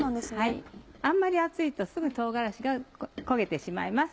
あんまり熱いとすぐ唐辛子が焦げてしまいます。